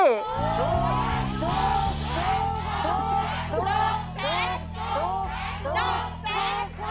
ถูก